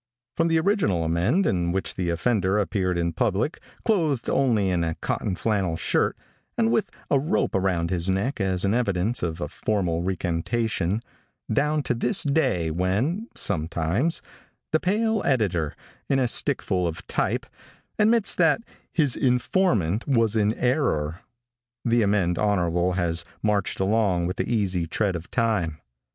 From the original amende in which the offender appeared in public clothed only in a cotton flannel shirt, and with a rope about his neck as an evidence a formal recantation, down to this day when (sometimes) the pale editor, in a stickful of type, admits that "his informant was in error," the amende honorable has marched along with the easy tread of time.